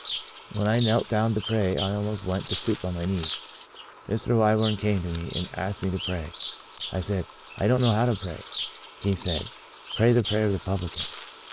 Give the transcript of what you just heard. When I knelt down to pray I almost went to sleep on my knees. Mr. Wyburn came to me and asked me to pray. I said, * I don't know how to pray.' He said, *Pray the prayer of the publican.'